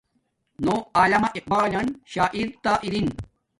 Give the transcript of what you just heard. نو علامہ اقبالن شاعر تا ارین